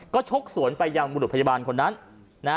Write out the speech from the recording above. ก็ชกสวนไปยังบุรุษพยาบาลคนนั้นนะฮะ